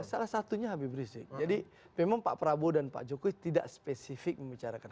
salah satunya habib rizik jadi memang pak prabowo dan pak jokowi tidak spesifik membicarakan